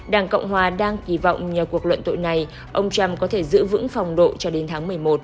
đảng cộng hòa đang kỳ vọng nhờ cuộc luận tội này ông trump có thể giữ vững phong độ cho đến tháng một mươi một